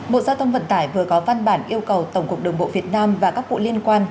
bộ giao thông vận tải vừa có văn bản yêu cầu tổng cục đường bộ việt nam và các vụ liên quan